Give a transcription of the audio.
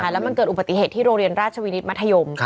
แล้วมันเกิดอุบัติเหตุที่โรงเรียนราชวินิตมัธยม